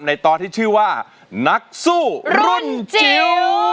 ตอนที่ชื่อว่านักสู้รุ่นจิ๋ว